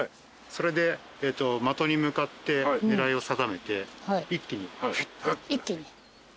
それで的に向かって狙いを定めて一気にフッて。